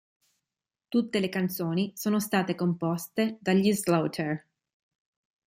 Tutte le canzoni sono state composte dagli Slaughter.